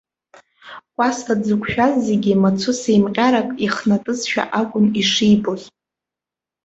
Кәасҭа дзықәшәаз зегьы мацәыс еимҟьарак ихнатызшәа акәын ишибоз.